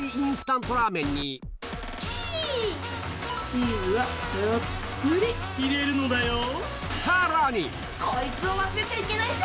チーズはたっぷり入れるのだよぉ！